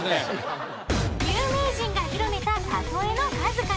有名人が広めたたとえの数々。